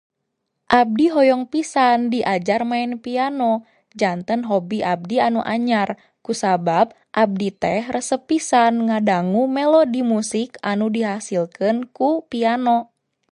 Abdi hoyong pisan diajar maen piano janten hobi abdi anu anyar, kusabab abdi teh resep pisan ngadangu melodi musik anu dihasilkeun ku piano